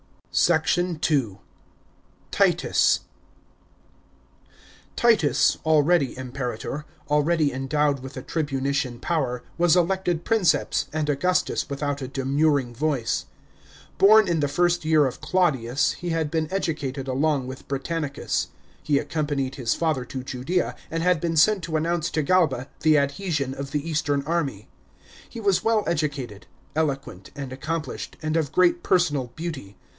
SECT. II.— TITUS. § 10. Titus, already Imperator, already endowed with the tri bunician power, was elected Princeps and Augustus without a demurring voice. Born hi the first year of Claudius, he had been educated along with Britannicus. He accompanied his father to Judea, and had been sent to announce to Galba the adhesion of the eastern army. He was well educated, eloquent, aud accomplished, and of great personal beauty.